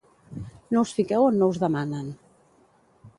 No us fiqueu on no us demanen.